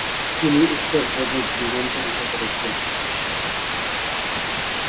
তিনি উত্তরপ্রদেশ বিধান পরিষদের একজন সদস্য।